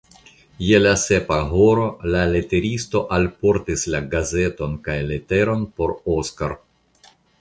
Je la sepa horo la leteristo alportis la gazeton kaj leteron por Oskar.